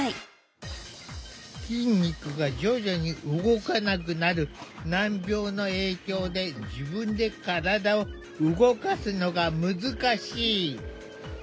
筋肉が徐々に動かなくなる難病の影響で自分で体を動かすのが難しい。